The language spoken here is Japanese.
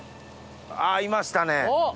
あっいましたね。